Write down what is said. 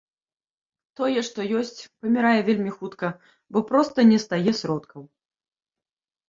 Тое, што ёсць, памірае вельмі хутка, бо проста не стае сродкаў.